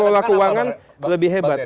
kelola keuangan lebih hebat